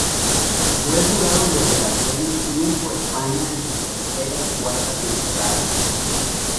Fue jurado de Operación Triunfo España en su tercera y cuarta temporada.